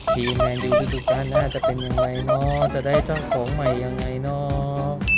ทีมแมนดิวที่สุดการณ์น่าจะเป็นยังไงเนอะจะได้เจ้าของใหม่ยังไงเนอะ